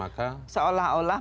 tapi kan tidak kemudian